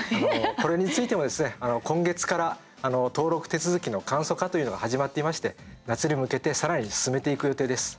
これについては、今月から登録手続きの簡素化というのが始まっていまして夏に向けてさらに進めていく予定です。